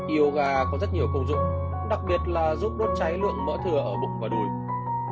yoga có rất nhiều công dụng đặc biệt là giúp đốt cháy lượng mỡ thừa ở bụng và đùi